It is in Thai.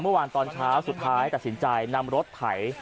เมื่อวานตอนเช้าสุดท้ายตัดสินใจนำรถไถ